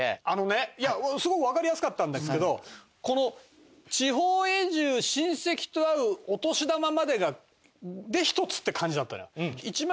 あのねいやすごくわかりやすかったんですけどこの「地方移住」「親戚と会う」「お年玉」までがで１つって感じだったじゃない。